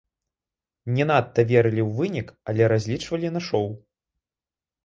Не надта верылі ў вынік, але разлічвалі на шоў.